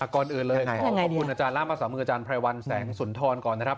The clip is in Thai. ก่อนอื่นเลยขอขอบคุณอาจารย์ล่ามภาษามืออาจารย์ไพรวัลแสงสุนทรก่อนนะครับ